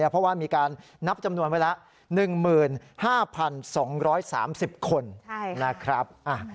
เพราะว่ามีการนับจำนวนไว้แล้ว๑๕๒๓๐คนนะครับ